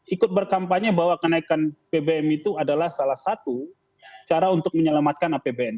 ikut berkampanye bahwa kenaikan bbm itu adalah salah satu cara untuk menyelamatkan apbn